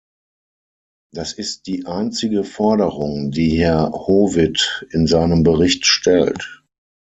Das ist die einzige Forderung, die Herr Howitt in seinem Bericht stellt.